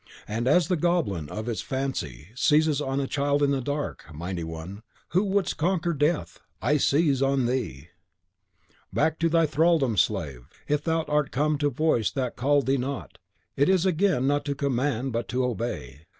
And as the goblin of its fantasy seizes on a child in the dark, mighty one, who wouldst conquer Death, I seize on thee!" "Back to thy thraldom, slave! If thou art come to the voice that called thee not, it is again not to command, but to obey!